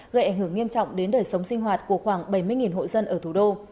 gây ảnh hưởng nghiêm trọng đến đời sống sinh hoạt của khoảng bảy mươi hộ dân ở thủ đô